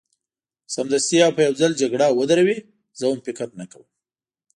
سمدستي او په یو ځل جګړه ودروي، زه هم فکر نه کوم.